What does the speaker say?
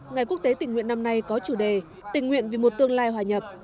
ngày quốc tế tình nguyện năm nay có chủ đề tình nguyện vì một tương lai hòa nhập